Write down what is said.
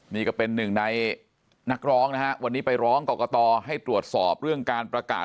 นี่ก็เป็นหนึ่งในนักร้องนะฮะวันนี้ไปร้องกรกตให้ตรวจสอบเรื่องการประกาศ